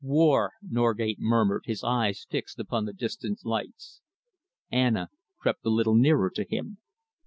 "War!" Norgate murmured, his eyes fixed upon the distant lights. Anna crept a little nearer to him.